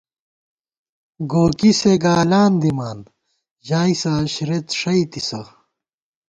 گو کی سے گالان دِمان، ژائیسہ عشرېت ݭَئیتِسہ